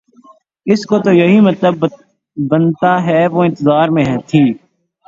اس کا تو یہی مطلب بنتا ہے وہ انتظار میں تھی